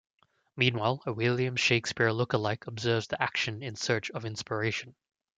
Meanwhile, a William Shakespeare look-alike observes the action in search of inspiration.